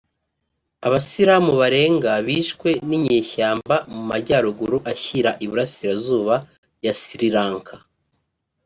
Abasilamu barenga bishwe n’inyeshyamba mu Majyaruguru ashyira Iburasirazuba ya Sri Lanka